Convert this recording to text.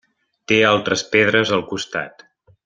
Té altres pedres al costat.